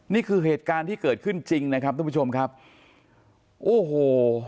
นี่คือเหตุการณ์ที่เกิดขึ้นจริงนะครับทุกผู้ชมครับโอ้โห